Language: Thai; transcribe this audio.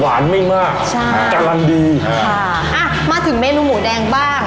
หวานไม่มากใช่การณ์ดีค่ะอ่ะมาถึงเมนูหมูแดงบ้าง